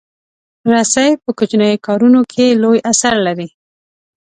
رسۍ په کوچنیو کارونو کې لوی اثر لري.